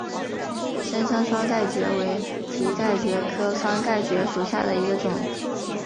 深山双盖蕨为蹄盖蕨科双盖蕨属下的一个种。